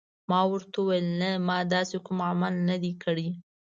ما ورته وویل: نه، ما داسې کوم عمل نه دی کړی.